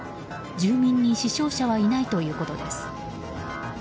住民に死傷者はいないということです。